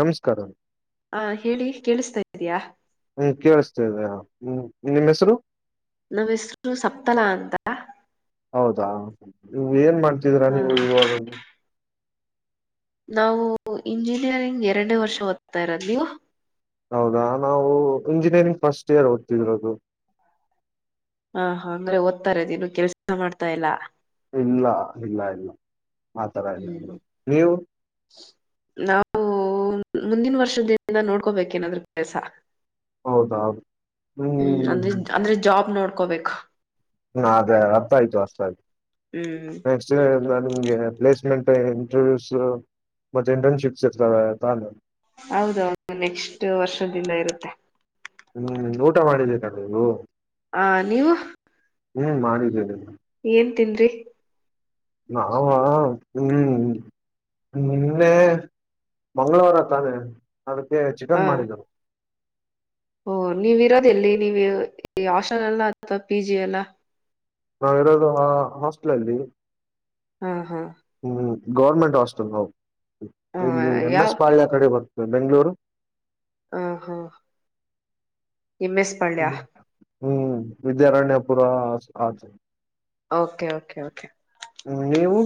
ನಮಸ್ಕಾರ ಆ ಹೇಳಿ ಕೇಳಿಸ್ತಾ ಇದಯಾ ಹ್ಮ ಕೇಳಸ್ತೇದೆ ಹ್ಮ್ ನಿಮ್ಮ್ ಹೆಸರು ನಮ್ಮ ಹೆಸರುರು ಸಪ್ತಲ ಅಂತ ಹೌದಾ ನೀವ ಏನ್ ಮಾಡ್ತಿದೀರಾ ಆ, ನೀವ್ ಇವಾಗು ನಾವು ಇಂಜಿನಿಯರಿಂಗ್ ಎರಡನೇ ವರ್ಷ ಓದ್ತಾ ಇರೋದ ನೀವು ಹೌದಾ ನಾವು ಇಂಜಿನಿಯರಿಂಗ್ ಫಸ್ಟ್ ಇಯರ್ ಓದ್ತಿದರೋದು ಹ ಅಂಗ್ರ ಓದ್ತಾರೆದನು ಕೆಲ್ಸ ಮಾಡ್ತಾ ಇಲ್ಲಾ ಇಲ್ಲ ಇಲ್ಲ ಇಲ್ಲ ಮಾತ ಹ್ಮ್ ನೀವು ನಾವು ಮುಂದಿನ ವರ್ಷದಿಂದ ನೋಡ್ಕೋಬೇಕ ಏನಾದ್ರೂ ಕೆಲಸ ಹೌದಾ ಹ್ಮ್ ಅಂದ್ರೆ ಅಂದ್ರೆ ಜಾಬ್ ನೋಡ ಕೋಬೇಕು ಹ ಅದೇ ಅರ್ಥ ಆಯ್ತು ಅರ್ಥ ಆಯ್ತು ಹ್ಮ್ ನೆಕ್ಸ್ಟ್ ನಿಮ್ಗೆ ಪ್ಲೇಸ್ಮೆಂಟ್ ಇಂಟರ್ವ್ಯೂಸ್ ಮತ್ತೆ ಇಂಟರ್ನ್ಶಿಪ್ಸ್ ಇರ್ತ ತಾನೆ ಹೌದೌದು ನೆಕ್ಸ್ಟ್ ವರ್ಷದಿಂದ ಇರುತ್ತೆ ಹ್ಮ್ ಊಟ ಮಾಡಿದ್ದ ಅ ನೀವು ಹ ನೀವು ಹ್ಮ್ ಮಾಡಿದ್ದೇನೆ ತನ್ರಿ ನ ಹ್ಮ್ ನಿನ್ನೆ ಮಂ್ಗಳವಾರ ತಾನೆ ಅದಕ್ಕೆ ಹಾ ಚಿಕನ್ ಮಾಡಿದರು ಓ ನೀವಿ ಇರೋದ ಎಲ್ಲಿ ನೀವು ಹಾಸ್ಟೆಲ್ ಎಲ್ಲ ಅಥವಾ ಪಿ ಜಿ ಎಲ್ಲ ನಾವಿರೋದು ಹಾಸ್ಟೆಲ್ ಅಲ್ಲಿ ಹ್ಮ ಹಾ್ ಹ್ಮ್ ಗೌರ್ಮೆಂಟ್ ಹಾಸ್ಪಿಟಲ್ ಹಾ ಇಲ್ಲಿ ಎನ್ ಯಾವ ಎಸ್ ಪಾಳ್ಯ ಕಡೆ ಬರ್ ಬೆಂಗಳೂರು ಹಾ ಹಾ ಎಂ ಎಸ್ ಪಳ ಹ್ಮ್ ವಿದ್ಯಾರಣ್ಯಪುರ ಆತ ಕೆ ಓಕೆ ಕೆ ನೀವು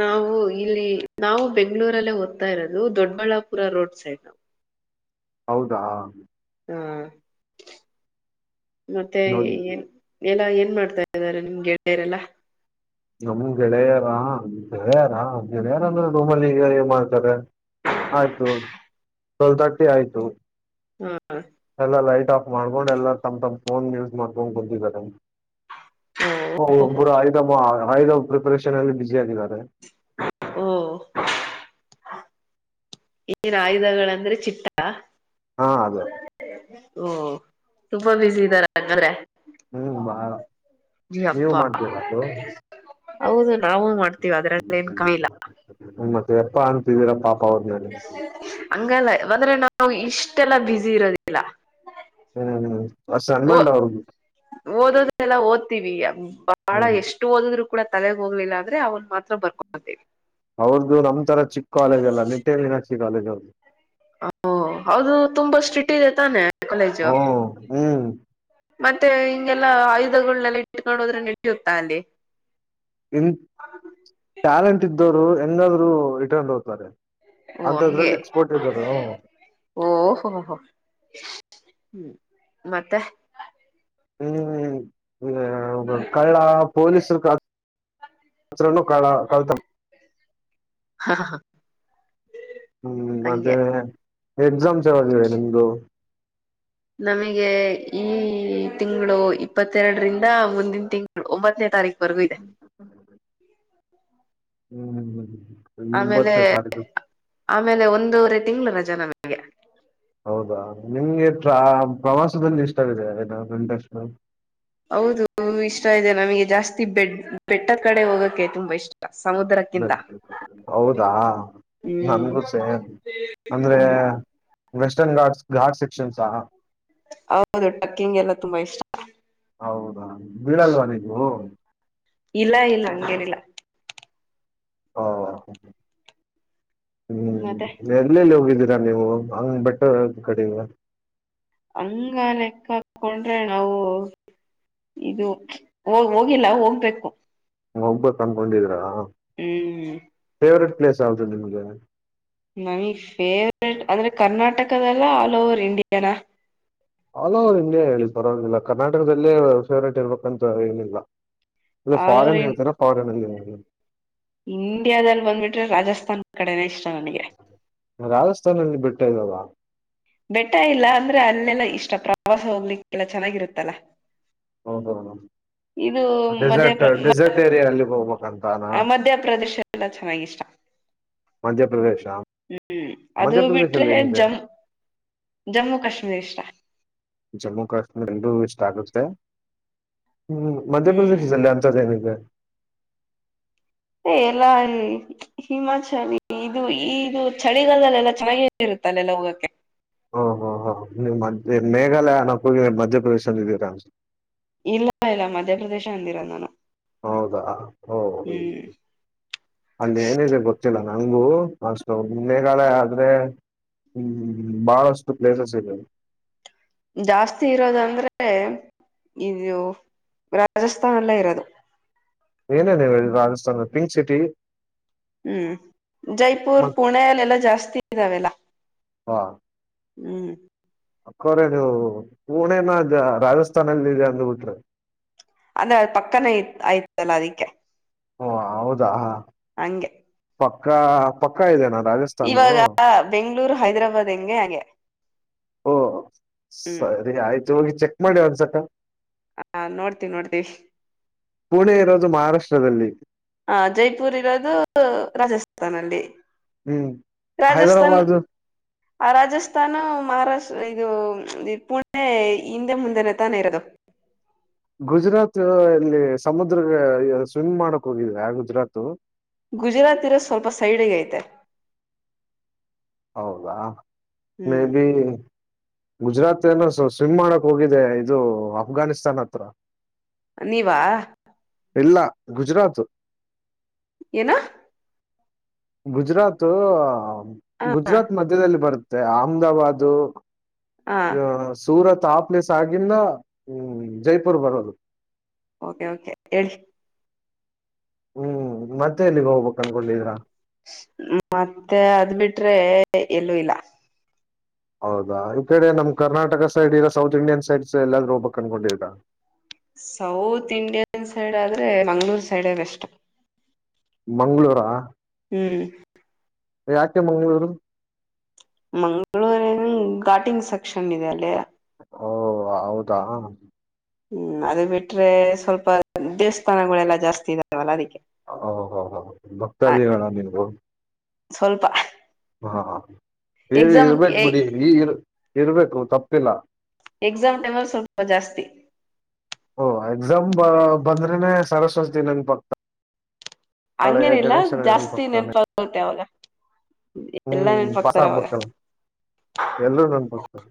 ನಾವು ಇಲ್ಲಿ ನಾವು ಬೆಂಗ್ಗಳೂರಲ್ಲೇ ಓದ್ತಾ ಇರೋದು ದೊಡ್ಬಳ್ಳಾಪುರ ರೋಡ್ ಸೈಡ್ ನವು ಹೌದಾ ಹಾ ಮತ್ತೆ ನಮ್ ಏನ್ ಎಲ್ಲ ಏನ್ ಮಾಡ್ತಾ ಇದಾರೆ ನಿಮ್ ಗೆಳೆಯರೆಲ್ಲ ನಮ್ ಗೆಳೆಯರ ಗೆಳೆಯರ ಗೆಳೆಯರ ಅಂದ್ರೆ ರೂಮಲ್ಲಿ ಈಗ ಏನ್ ಮಾಡ್ತಾರೆ ಆಯ್ತು ಟ್ವೆಲ್ವ ತರ್ಟಿ ಆಯ್ತು ಹಾ ಎಲ್ಲ ಲೈಟ್ ಆಫ್ ಮಾಡ ನೋ ಎಲ್ಲ ತಮ್ಮ ತ್ ಫೋನ್ ಯೂಸ್ ಮಾಡ್ಕೊಂಡ್ ಬಂದಿದ್ದಾರೆ ಹ ಓ ಬುರಾಯದ ಮಹಲ್ ಪ್ರಿಪರೇಷನ್ ಅಲ್ಲಿ ಬಿಸಿ ಆಗಿದ್ದಾರೆ ಓ ಏನ್ ಆಯುಧಗಳಂದ್ರೆ ಚಿಟ್ಟ ಹಾ ಅದೇ ಓ ತುಂಬಾ ಬಿಸಿ ಇದಾರ ಹಾಗಾದ್ರೆ ಹ್ಮ್ ಬಾ ನೀವು ಮಾಡ್ತೀರಾ ಅದು ಹೌದ ನಾವು ಮಾಡ್ತೀವಿ ಅದ್ರಲ್ಲ ಏನ್ ಕಮಿಲ್ಲ ಪ್ಪ ಅಂತಿದೀರಾ ಪಾ ಅಂಗಲ್ಲ ಅಂದ್ರೆ ನಾ ನಾ ಇಷ್ಟೆಲ್ಲ ಬ್ಯಝಿ ಇರೋದಿಲ್ಲ ಹ್ಮ್ ಅಷ್ಟ್ ಓ ಸನ್ಮಂಡ್ ಅವ್ರದು ಓದೋದೆಲ್ಲ ಓದ್ತೀವಿ ಬಾಳ ಹ್ಮ್ ಎಷ್ಟು ಓದದ್ರು ಕೂಡ ತಲೆಗ ಹೋಗಲಿಲ್ಲ ಆದ್ರೆ ಅವ್ನ್ ಮಾತ್ರ ಬರ್ಕೊಂಡಂತೇವಿ [unintelligible] ಕಾಲೇಜದು ಅದು ತುಂಬಾ ಸ್ಟ್ರಿಟ್ ಇದೆ ತಾನೆ ಕಾಲೇಜು ಹ್ಮ್ ಹ್ಮ್ ಮತ್ತೆ ಹಿಂಗೆಲ್ಲಾ ಆಯುಧಗಳನೆೆಲ್ಲ ಇಟ್ಕೊಂಡೋದ್ರೆ ನಡಿಯುತ್ತಾ ಅಲ್ಲಿ ಎ ಚಟ್ಯಾಲೆಂಟ್ ಇದ್ದೋರು ಹೆಂಗಾದ್ರು ಇಟರ್ನ್ ಹೋಗ್ತಾರೆ ಓ ಹಂಗೆ ಅಂತದ್ರಲ್ಲಿ ಎಕ್ಸ್ಪೋರ್ಟ್ ಇದ್ದಾರ ಓಹೋ ಹೋ ಹ್ಮ್ ಮತ್ತೆ ಹ್ಮ್ ಹ್ಮ್ ಕಳ್ಳಾ ಪಲೀಸ್ರು ಅಂದ್ರುನು ಕಳ್ಳ ಕಳ್ಳನ ಹ್ಮ್ ಮತ್ತೆ ಹಂಗೆ ಎಕ್ಸಾಮ್ಸ್ ಯಾವಾಗವೆ ನಿಮ್ದು ನಮಗೆ ಈ ತಿಂಗಳು ಇಪ್ಪತ್ತೆರಡರಿಂದ ಮುಂದಿನ ತಿಂಗಳು ಒಂಬತ್ತನೇ ತಾರಖ ಬಗಿದೆ ಹ್ಮ್ ಹ್ಮ್ ಹ್ಮ್ ಆಮೇಲೆ ಆಮೇಲೆ ಒಂದು ರೀತಿ ತಿಂಗಳ ರಜೆ ನಮಗೆ ಹೌದಾ ನಿಮ್ಗೆ ಪ್ರ ಪ್ರವಾಸದಲ್ಲಿ ಇಷ್ಟ ಇದೆ ಟ ಹೌದು ಇಷ್ಟ ಇದೆ ನಮಗೆ ಜಾಸ್ತಿ ಬೆ ಬೆಟ್ಟದ ಕಡೆ ಹೋಗಕ್ಕೆೆ ತುಂಬಾ ಇಷ್ಟ ಸಮುದ್ರಕ್ಕಿಂತ ಹೌದಾ ಹ್ಮ್ ನನ್ಗೂ ಸೇ ಅಂದ್ರೆ ವೆಸ್ಟರ್ನ್ ಗಘಾಟ್ಸ್ ಗಾರ್ಟ್ಸ್ ಸೆಕ್ಷನ್ಸ್ಹಾ ಹೌದು ಟ್ರಕ್ಕಿಂಗ್ ಎಲ್ಲ ತುಂಬಾ ಇಷ್ಟ ಹೌದಾ ಬೀಳಲ್ವ ನೀವು ಇಲ್ಲ ಇಲ್ಲ ಹಂಗೇನಿಲ್ಲ ಹಾ ಮತ್ತೆ ಹ್ಮ್ ಎಲ್ ಎಲ್ ಹೋಗಿದಿರಿ ಇಲ್ಲ ನೀವು ಹಂಗ್ ಬೆಟ್ಟ ಕಡಿ ಹಂಗ ಲೆಕ್ಕ ಹಾಕೊಂಡ್ರೆ ನಾವು ಇದು ಹ ಹೋಗಿಲ್ಲ ಹೋಗ್ಬೇಕು ಹೋಗ್ಬೇಕ್ ಅನ್ಕೊಂಡಿದೀರಾ ಹ್ಮ್ ಫೇವರಟ್ ಪ್ಲಸ್ ಆ ನಿನ್ಗೆ ನಮಗ್ ಫೇವ್ರೇಟ್ ಅಂದ್ರೆ ಕರ್ನಾಟಕದಲ್ಲ ಆಲ್ ಓವರ್ ಇಂಡಿಯಾನ ಆಲ್ ಓವರ್ ಇಂಡಿಯಾ ಹೇಳಿ ಪರವಾಗಿಲ್ಲ ಕರ್ನಾಟಕದಲ್ಲೇ ಫೇವ್ರೇಟ್ ಇರ್ಬೇಕಂತ ಏನಿಲ್ಲ ಅಂದ ಆಲ್ ಓವರ್ ಫಾರಿನ್ ಇ ಹೇತಾರ ಫಾರಿನ್ ಅಲ್ಲಿ ಹ್ಮ ಇಂಡಿಯಾದಲ್ಲಿ ಬಂದ್ಬಿಟ್ರೆ ರಾಜಸ್ಥಾನ್ ಕಡೆನ ಇಷ್ಟ ನನಗೆ ರಾಜಸ್ಥಾನಲ್ಲಿ ಬೆಟ್ಟ ಟ್ಟ ಇಲ್ವಲ್ಲ ಬೆಟ್ಟ ಇಲ್ಲ ಅಂದ್ರೆ ಅಲ್ಲೆಲ್ಲಾ ಇಷ್ಟ ಪ್ರವಾಸ ಹೋಗ್ಲಿಕ್ಕೆಲ್ಲ ಚೆನ್ನಾಗಿರುತ್ತಲ್ಲ ಹ ಹೌ ಇದು ಡೆಸರ್ಟ್ ಮಧ್ಯ ಡೆಸರ್ಟ್ ಏರಿಯಾ ಅಲ್ಲಿ [unintelligible] ಹೌ ಮಧ್ಯಪ್ರದೇಶ ಎಲ್ಲ ಚೆನ್ನಾಗಿ ಇಷ್ಟ ಮಧ್ಯಪ್ರದೇಶ ಹ್ಮ್ ಅದು ಬಿಟ್ರೆ ಮಧ್ಯಪ್ರದೇಶಲ್ಲಿ ಏನಿದೆ ಜಮ್ಮ ಜಮ್ಮು ಕಾಶ್ಮೀರ್ ಇಷ್ಟ ಜಮ್ಮು ಕಾಶ್ಮೀರ್ ಎಲರಿಗೂ ಇಷ್ಟ ಆಗುತ್ತೆ ಹ್ಮ್ ಹ್ಮ್ ಮಧ್ಯಪ್ರದೇಶದಲ್ಲಿ ಅಂತದ್ದ ಏನಿದೆ ಎಲ್ಲಾ ಈ ಹಿಮಾಚಲಿ ಇದು ಇದು ಚಳಿಗಾಲದದಲ್ಲಿೆಲ್ಲಾ ಚೆನ್ನಾಗ ಇರುತ್ತಲ್ಲ ಎಲ್ಲ ಹೋಗಕ್ಕೆ ಹಓ ಹ್ ಹ್ ನೀ್ ಮ ಮೇಘಾಲಯ ನೋಗಿ ಮಧ್ಯಪ್ರದೇಶ ಅಂದ ಇದೀರಾ ಅ ಇಲ್ಲ ಇಲ್ಲ ಮಧ್ಯಪ್ರದೇಶ ಅಂದಿರದು ನಾನು ಹೌದಾ ಓ ಹ್ಮ್ ಅಲ್ಲಿ ಏನಿದೆ ಗೊತ್ತಿಲ್ಲ ನಂಗು ಅಷ್ಟು ಮನ್ನೆಗಾಲ ಆದ್ರೆ ಹ್ಮ ಬಹಳಷ್ಟು ಪ್ಲೇಸಸ್ ಇದೆ ಜಾಸ್ತಿ ಇರೋದಂದ್ರೆ ಇದು ರಾಜಸ್ಥಾನಲ್ಲೇ ಇರೋದು ಏನೇ ನೀವು ಹೇಳ ರಾಜಸ್ಥಾಾನ ಪಿಂಕ್ ಸಿಟಿ ಹ್ಮ್ ಜೈಪುರ್ ಮತ್ ಪುಣ್ಣೆ ಅಲ್ಲ ಎಲ್ಲಾ ಜಾಸ್ತಿ ಇದ್ದಾವೆಲ್ಲ ಹ ಹ್ಮ್ ಅಕ್ಕೋರೆ ನೀವು ಪುಣೆನ ರಾಜಸ್ಥಾನಲ್ಲ ಇದೆ ಅಂದ ಬಿಟ್ರೆ ಅಂದ್ರ ಅದ ಪಕ್ಕನ ಇ ಆಯ್ತಲ್ಲ ಅದಿಕ್ಕೆ ಓ ಹೌದಾ ಹ ಹಂಗೆ ಪಕ್ಕಾ ಪಕ್ಕ ಇದೆನ ಇವಾಗ ಬೆಂಗಳೂರು ಹೈದ್ರಾಬಾದ್ ಹೆಂಗೆ ಹಂಗೆ ಓ ಹ್ಮ್ ಸರಿ ಆಯ್ತು ಹೋಗಿ ಚೆಕ್ ಮಾಡಿ ಒಂದಸಕ ಹಾ ನೋಡ್ತಿ ನೋಡ್ತಿ ಪುಣೆ ಇರೋದು ಮಹಾರಾಷ್ಟ್ರದಲ್ಲಿ ಹ ಜೈಪುರ್ ಇರೋದು ರಾಜಸ್ಥಾನಲ್ಲಿ ಹ್ಮ್ ಹೈದ್ರಾಬಾಾದ ಆ ರಾಜಸ್ಥಾನ ಮಹಾರಾಷ್ಟ್ರ ಇದು ಪುಣೆ ಹಿಂದೆ ಮುಂದನೆೇ ತಾನೆ ಇರೋದು ಗುಜರಾತ್ ಇಲ್ಲಿ ಸಮುದ್ರ ಸ್ವಿಮಿಂಗ್ ಮಾಡಕ್ ಹೋಗಿದ್ರ ಗುಜರಾತ್ ಗುಜರಾತ್ ಇರೋ ಸ್ವಲ್ಪ ಸೈಡ್ಗೈತೆ ಹೌದಾ ಮೇ ಬಿ ಗುಜರಾತ್ ಏನ ಸ್ವಿಮ್ ಮಾಡಕ್ ಹೋಗಿದೆ ಇದು ಅಫ್ಘಾನಿಸ್ತಾನ್ ಹತ್ರ ನೀವಾ ಎಲ್ಲಾ ಗುಜರಾತ್ ಏನ ಗುಜರಾತ್ ಹ ಗುಜರಾತ್ ಮಧ್ಯದಲ್ಲಿ ಬರುತ್ತೆ ಮತ್ತ ಅಹಮದಾಬಾದ ಹ ಅ ಸೂರತ್ ಆ ಪ್ಲೇಸ್ ಆಗಿಂದ ಹ್ಮ್ ಜೈಪುರ್ ಬರೋದು ಓಕೆ ಓಕೆ ಹೇಳಿ ಹ್ಮ್ ಮತ್ತೆ ಎಲ್ಲಿಗೆ ಹೋಗ್ಬು ಮತ್ತೆ ಅದ್ ಬಿಟ್ರೆ ಎಲ್ಲೂ ಇಲ್ಲ ಹೌದಾ ಈ್ ಕಡೆ ನಮ್ ಕರ್ನಾಟಕ ಸೈಡ್ ಇರ ಸೌತ್ ಇಂಡಿಯನ್ ಸೈಡ್ ಎಲ್ಲಾದೂ ಹೋಗ್ಬೇಕಕ್ ಅನ್ಕೊಂಡಿರಾ ಸೌತ್ ಇಂಡಿಯನ್ ಸೈಡ್ ಆದ್ರೆ ಮಂಗ್ಗಳೂರ್ ಸೈಡ್ ಬೆಸ್ಟ್ ಮಂ್ಗಳೂರಾ ಹ್ಮ್ ಯಾಕೆ ಮಂಗ್ಗಳೂರು ಮಂ್ಗಳೂರಿ ಘಾಟಿಂಗ್ ಸೆಕ್ಷನ್ ಇದೆ ಅಲ್ಲಿ ಓ ಹೌದಾ ಹ್ಮ್ ಅದು ಬಿಟ್ರೆ ಸ್ವಲ್ಪ ದೇವಸ್ಥಾನಗಳೆಲ್ಲಾ ಜಾಸ್ತಿ ಇದಾವಲ್ಲ ಅದಕ್ಕೆ ಓ ಹ ಹ ಆ ಬಕ್ತದ ಗಣ ನೀಬ ಸ್ವಲ್ಪ ಹಾ ಎಕ್ಸಾಮ್ ಇರ್ಬೇಕಕ್ ಬಿಡಿ ನೀಗ ಇರ್ಬೇಕು ತಪ್ಪಿಲ್ಲ ಎಕ್ಸಾಮ್ ಟೇಬಲ್ ಸ್ವಲ್ಪ ಜಾಸ್ತಿ ಓ ಎಕ್ಸಾಮ್ ಬ ಬಂದ್ರೆನೆ ಸರಸ್ವಸ್ತ ನಂಗ ಪಕ್ತ ಹಂಗೇನಿಲ್ಲ ಜಾಸ್ತಿ ನೆನಪಾಗುತ್ತೆ ಅವಾಗ ಎಲ್ಲಾ ಹ್ಮ್ ಬ ನೆನಪಾಗ್ತಾರ ಅವಾಗ ಬಲ್ಲ ಎಲ್ಲೂ ನನ್ ಬಕ್ತದೆ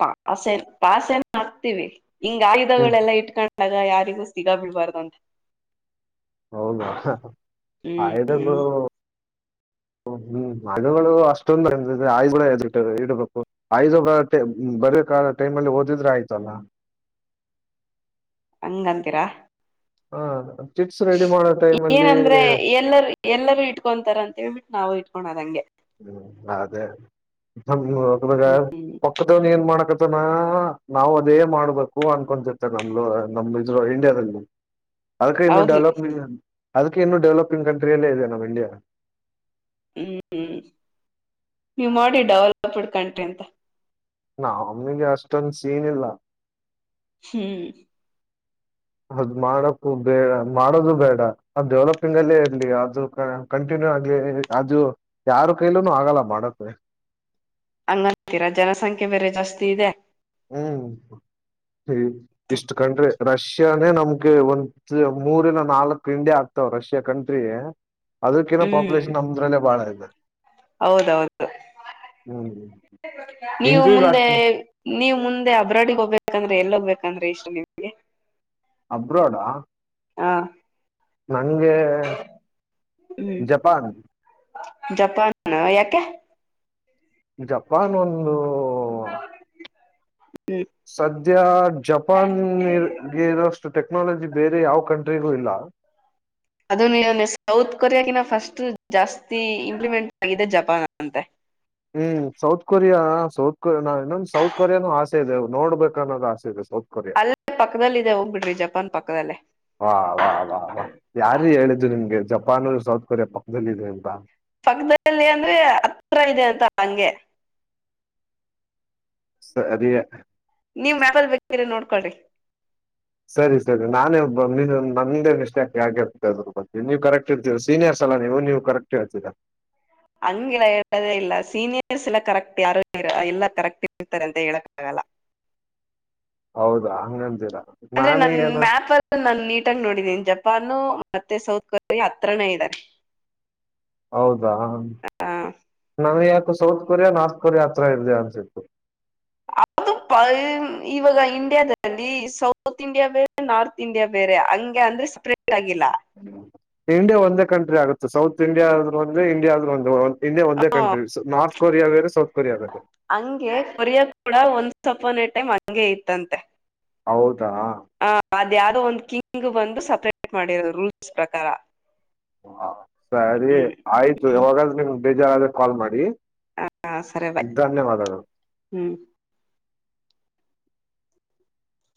ಪಾಸ ಪಾಸ ನ ಹಾಕ್ತಿೀವಿ ಹಿಂಗ ಹ್ಮ್ ಆಯುಧಗಳೆಲ್ಲ ಇಟ್ಕೊಂಡ ಇಗ ಯಾರಿಗೂ ಸಿಗಾ ಬಿಳ್ಬಾರ್ದಂತೆ ಹೌದುವ ಆಯ್ದಾಗ ಹ್ಮ್ ಹ ಹ್ಮ್ [unintelligible] ಹಣಗಳು ಅಷ್ಟೊಂದ ಆಯ್ದ ಇಡ್ಬೇಕು ಆಯ [unintelligible] ಬರ ಕಾಲ ಟೈಮ್ ಅಲ್ಲಿ ಓದಿದ್ರೆ ಆಯ್ತಲ್ಲ ಹಂಗಂತೀರಾ ಹಾ ಏನಂದ್ರೆ ಎಲ್ಲರ ಎಲ್ಲರೂ ಇಟ್ಕೊಂತಾರಂತೆ ಹಳ್ಬಿಟ್ಟು ನಾವು ಇಟ್ಕೋದಂಗೆ ನಮಾಗ ಹ್ಮ್ ಪಕ್ಕದವನ್ ಏನ್ ಮಾಡಕತನ ನಾವ್ ಅದೇ ಮಾಡ್ಬೇಕು ಅನ್ಕೊಂತತ್ತ ನಮ್ ನಮ್ ಇದ್ರ ಇಂಡಿಯಾದಲ್ಲಿ ಅದಕ್ಕೆ ಇನ್ನೂ ಹೌದು ಡೆವಲಪ್ ಅದಕ್ಕೆ ಇನ್ನುೂ ಡೆವಲಪಿಂಗ್ ಕಂಟ್ರಿಯಲ್ಲೇ ಇದೆ ನಮ್ಮ್ ಇಂಡಿಯಾ ಹ್ಮ್ ಹ್ಮ್ ನೀವ್ ಮಾಡಿ ಡೆವಲಪ್ಡ್ ಕಂಟ್ರಿ ಅಂತ ನ ಅವಮನಿಗೆ ಅಷ್ಟೊಂದ ಸೀನ್ ಇಲ್ಲ ಹ್ಮ್ ಅದ್ ಮಾಡಕು ಬೇಡ ಮಾಡೋದು ಬೇಡ ಅದು ಡೆವಲಪಿಂಗ್ ಅಲ್ಲೇ ಇರ್ಲಿ ಅದು ಕಂಟಿನ್ಯೂ ಆಗ್ಲಿ ಅದು ಯಾರ ಕೈಲೂನು ಆಗಲ್ಲ ಮಾಡಕ್ ಹಂಗತೀರಾ ಜನಸಂಖ್ಯೆ ಬೇರೆ ಜಾಸ್ತಿ ಇದೆ ಹ್ಮ್ ಹ ಇಷ್ಟು ಕಂಡ್ರೆ ರಶ ರಷ್ಯಾನೇ ನಮ್ಗೆ ಒ ಮೂರಿನ ನಾಲ್ಕ್ ಇಂಡಿಯ ಆಗ್ತಾವ ರಷ್ಯಾ ಕಂಟ್ರಿ ಅದಕ್ಕೇಏ ಹ್ಮ್ ಪಾಪುಲೇಷನ್ ನಮದ್ರಲ್ಲೇ ಬಾಳ ಇದೆ ಹೌದೌದು ಹ್ಮ್ ನೀವು ಇಂಕ್ರೀಸ್ ಮುಂದೆ ಆಗ್ತದೆ ನೀವ್ ಮುಂದೆ ಅಬ್ರಾಡಿಗೆ ಹೋಗ್ಬೇಕಂದ್ರೆ ಎಲ್ಲಿ ಹೋಗ್ಬೇಕಂದ್ರೆ ಇಷ್ಟ ನಿಮ್ಗೆ ಅಬ್ರೋಡಾ ಹಾ ನಂಗೆ ಜಪಾನ್ ಜಪನ್ ಯಾಕ ಜಪಾನ್ ಒಂದು ಹ [inaudible] ಸದ್ಯ ಜಪಾನ್ಗೆರಷ್ಟು ಟೆಕ್ನಾಲಜಿ ಬೇರೆ ಯಾವ್ ಕಂಟ್ ಗೂ ಇಲ್ಲ ಅದನ್ನು ಸೌತ್ ಕೊರಿಯಾಕಿನ ಫಸ್ಟ್ ಜಾಸ್ತಿ ಇಂಪ್ಲಿಮೆಂಟ್ ಆಗಿದೆ ಜಪಾನ್ ಅಂತೆ ಹ್ಮ್ ಸೌತ್ ಕೊರಿಯಾ ಸೌತ್ ಕೊರಿಯಾ ನಾ ಇನ್ನೊಂದು್ ಸೌತ್ ಕೊರಿಯಾನು ಆಸೆ ಇದೆ ನೋಡ್ಬೇಕು ಅನ್ನೋದು ಆಸೆ ಇದೆ ಸೌತ್ ಕೊರಿಯಾ ಅಲ್ಲೇ ಪಕ್ಕದಲ್ಲಿ ಇದೆ ಹೋಗ್ಬಿಡ್ರಿ ಜಪಾನ್ ಪಕ್ಕದಲ್ಲೇ ವಾ ವಾಹ್ ವಾಹ್ ವಾಹ್ ಯಾರು ಹೇಳಿದ್ದ್ ನಿಮ್ಗೆ ಜಪಾನ್ ಸೌತ್ ಕೊರಿಯಾ ಪಕ್ಕದದಲ್ಲಿ ಇದೆ ಅಂತ ಪಕ್ಕದಲ್ಲಿ ಅಂದ್ರೆ ಹತ್ರ ಇದೆ ಅಂತ ಹಂಗೆ ಸ ಅದ ನೀವ್ ಮ್ಯಾಪಲ್ ಬೇಕಿರ ನೋಡ್ಕೊಳ್ರಿ ಸರಿ ಸರಿ ನಾನೇ ನಮ್ದೇ ಮಿಸ್ಟಾಕ್ ಯಾಕೆ ಇರ್ತದ್ರ ಬಿ ನೀವು ಕರೆಕ್ಟ್ ಇರ್ತೀರ ಸೀನಿಯರ್ಸ್ ಎಲ್ಲ ನೀವು ನೀವು ಕರೆಕ್ಟ್ ಇರ್ತೀರಾ ಹಂಗಿಲ್ಲಾ ಹೇಳದೇ ಇಲ್ಲ ಸೀನಿಯರ್ಸ್ ಎಲ್ಲ ಕರೆಕ್ಟ್ ಯಾರು ಎಲ್ಲ ಕರೆಕ್ಟ್ ಇರ್ತಾರೆ ಅಂತ ಹೇಳಕ್ಕ ಆಗಲ್ಲ ಹೌದಾ ಹಂಗ್ ನ್ದೀರಾ ಅಂದ್ರೆ ನನ್ ಮ್ಯಾಪ್ ನಾನು ನೀಟಾಗಿ ನೋಡಿದ್ದೀನಿನ್ ಜಪ್ಪ. ಮತ್ತೆ ಸೌತ್ ಕೊರಿಯಾ ಹತ್ರನೇ ಇದ್ದಾರೆ. ಹೌದಾ ನಾವ ಯ. ಸೌತ್ ಕೊರಿಯಾ ನಾರ್ತ್ ಕೊರಿಯಾ ಹತ್ರ ಇದೆ ಅನ್ಸಿತ್ತು. ಅ ಇವಾಗ ಇಂಡಿಯಾದಲ್ಲಿ ಸೌತ್ ಇಂಡಿಯಾ ಬೇರೆ ನಾರ್ತ್ ಇಂಡಿಯಾ ಬೇರೆ ಹಂಗೆ ಅಂದ್ರೆ ಸ್. ಇಂಡಿಯಾ ಒಂದೇ ಕಂಟ್ರಿ ಆಗುತ್ತೆ. ಸೌತ್ ಇಂಡಿಯಾಾದ ಆದ್ರು ಒಂದೆ ಇಂಡಿಯಾದ್ರರು ಒಂದು. ಇಂಡಿಯಾ ಒಂದೇ ಹ ಕಂಟ್ರಿ ಸ ನಾರ್ತ್. ಕೊರಿಯಾಗರೆ ಸ. ಹಂಗೆ ಕೊರಿಯ ಕೂಡ ಒಂದ ಸ್ವಪನನೆ ಟೈಮ್ ಹಂಗಗೆ ಇತ್ತಂತೆ ಹೌದಾ ಹ ಅದ ಯ್ದೋ ಒಂದ್ ಕಿಂಗ್ ಬಂದು ಸ ಮಾಡಿರೋದು ರೂಲ್ಸ್ ಪ್ರಕಾರ ಹಾ ಸರಿ ಹ್ಮ್ ಆಯ್ತು ಯಾವಾಗಾದ ನಿಮ್. ಬೇಜಾರ ಆದ್ರೆ ಕಾಲ್ ಮಾಡಿ. ಹ ಸರಿ ಬ ಧನ್ಯವಾದಗಳು. ಹ್ಮ್.